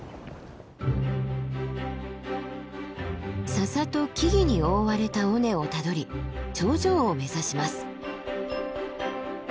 笹と木々に覆われた尾根をたどり頂上を目指します。